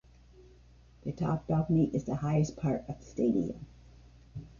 The Top Balcony is the highest part of the stadium.